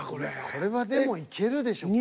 これはでもいけるでしょう